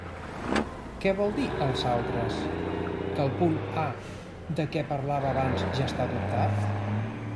Què vol dir “els altres”?, que el punt A de què parlava abans ja està adoptat?